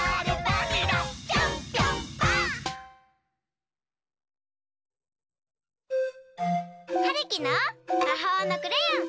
「ピョンピョンパ！！」はるきのまほうのクレヨン。